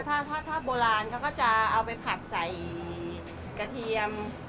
ถ้าถ้าโบราณเขาก็จะเอาไปผัดใส่กระเทียม